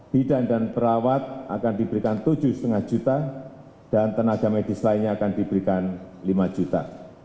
bidan dan perawat akan diberikan tujuh lima juta dan tenaga medis lainnya akan diberikan lima juta